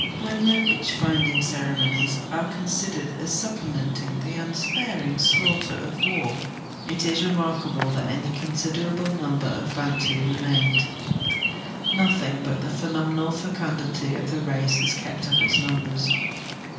When their witch finding ceremonies are considered as supple menting the unsiiaring slaughter of war, it is remarkable that any considerable number of Bantu remained. Nothing but the phenomenal fecundity of the race has kept up its numbers.